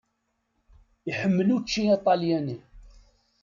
Iḥemmel učči aṭalyani.